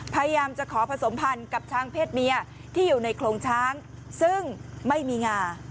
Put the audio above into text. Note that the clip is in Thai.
พยายามจะขอผสมพันธ์กับช้างเพศเมียที่อยู่ในโครงช้างซึ่งไม่มีงา